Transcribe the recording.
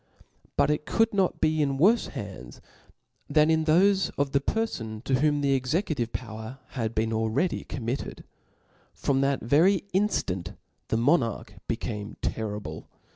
But it could not be in worfe hands than latho&of the perfon, to whom the executive power had been al ready committed. From' that very inftant the monarch became terrible.